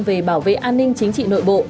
về bảo vệ an ninh chính trị nội bộ